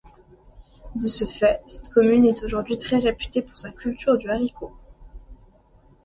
De ce fait, cette commune est aujourd'hui très réputée pour sa culture du haricot.